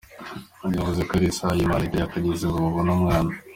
Yavuze ko ari isaha y’Imana itari yakageze ngo babone umwana.